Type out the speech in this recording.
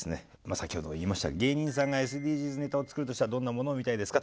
先ほど言いました「芸人さんがＳＤＧｓネタを作るとしたらどんなものを見たいですか」。